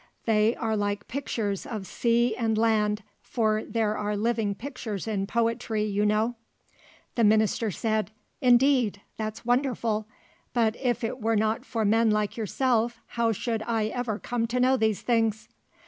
They are like pictures of sea and land, for there are living pictures in poetry, you know." The Minister said, "Indeed, that's wonderful; but if it were not for men like yourself how should I ever come to know these things?"